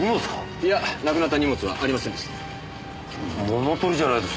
いやなくなった荷物はありませんでした。